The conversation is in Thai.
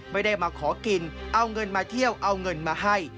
ไม่ได้มาขอกินเอาเงินมาเที่ยวเอาเงินมาให้